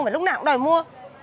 mẹ lúc nào cũng đòi mua